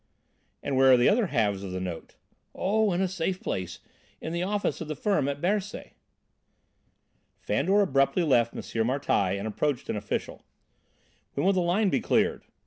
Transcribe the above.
"And where are the other halves of the notes?" "Oh, in a safe place, in the office of the firm at Bercy." Fandor abruptly left M. Martialle and approached an official. "When will the line be cleared?"